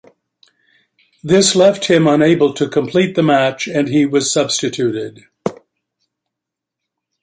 This left him unable to complete the match and he was substituted.